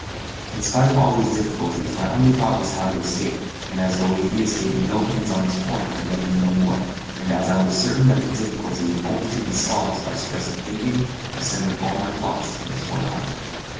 In spite of all these difficulties my only thought was how to escape, and as Boethius gave me no hints on this point I read him no more, and as I was certain that the difficulty was only to be solved by stress of thinking I centered all my thoughts on this one object.